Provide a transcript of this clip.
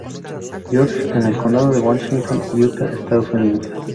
George, en el Condado de Washington, Utah, Estados Unidos.